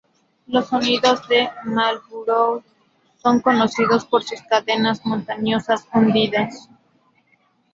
Los sonidos de Marlborough son conocidos por sus cadenas montañosas hundidas.